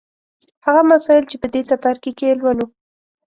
هغه مسایل چې په دې څپرکي کې یې لولو